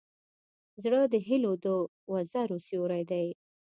زړه د هيلو د وزرو سیوری دی.